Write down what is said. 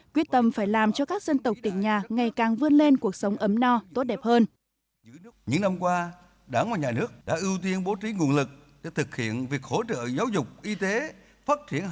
quyết tâm phải làm cho các dân tộc tỉnh nhà ngày càng vươn lên cuộc sống ấm no tốt đẹp hơn